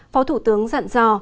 phó thủ tướng dặn dò